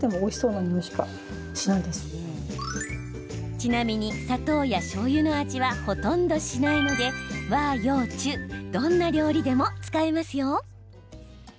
ちなみに砂糖やしょうゆの味はほとんどしないので和洋中どんな料理でも使えますよ。